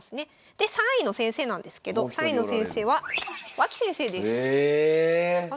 で３位の先生なんですけど３位の先生は脇先生です。